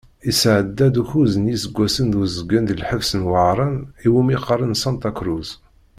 Yesɛedda-d ukkuẓ n yiseggasen d uzgen di lḥebs n Wehran i wumi qqaren Sanṭa Cruz.